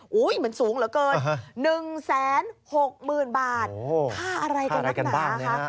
โอ้ยเหมือนสูงเหลือเกิน๑แสน๖หมื่นบาทค่าอะไรกันบ้างนะคะ